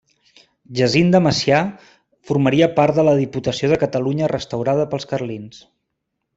Jacint de Macià formaria part de la Diputació de Catalunya restaurada pels carlins.